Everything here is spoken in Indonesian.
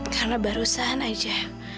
karena barusan aja